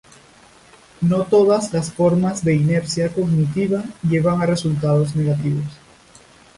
No todas las formas de inercia cognitiva llevan a resultados negativos.